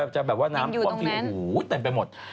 จะแบบว่าน้ำปล้องที่หูเต็มไปหมด